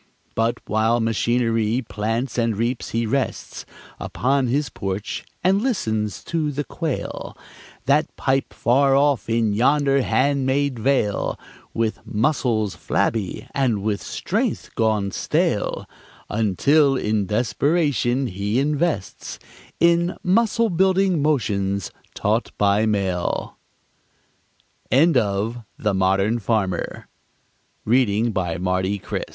But while machinery plants and reaps, he rests Upon his porch, and listens to the quail That pipe far off in yonder hand made vale, With muscles flabby and with strength gone stale, Until, in desperation, he invests In "Muscle Building Motions Taught by Mail"! [Footnote 2: Lippincott's Magazine.] THE APOSTASY OF WILLIA